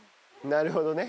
なるほどね。